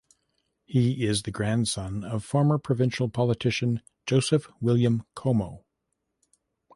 He is the grandson of former provincial politician, Joseph William Comeau.